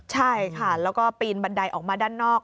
ใช่ค่ะแล้วก็ปีนบันไดออกมาด้านนอก